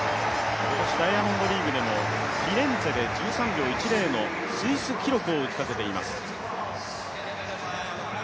今年ダイヤモンドリーグでもフィレンツェで１３秒１０のスイス記録を打ちたてています。